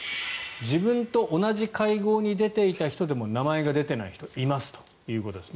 自分と同じ会合に出ていた人でも名前が出ていない人いますということです。